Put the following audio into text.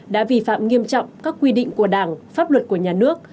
đã vi phạm nghiêm trọng các quy định của đảng pháp luật của nhà nước